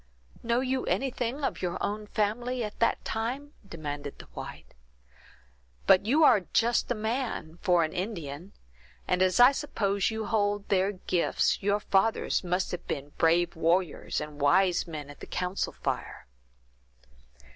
"Know you anything of your own family at that time?" demanded the white. "But you are just a man, for an Indian; and as I suppose you hold their gifts, your fathers must have been brave warriors, and wise men at the council fire."